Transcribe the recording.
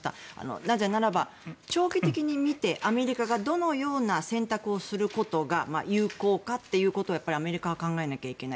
なぜならば長期的に見てアメリカがどのような選択をすることが有効かということをアメリカは考えなきゃいけない。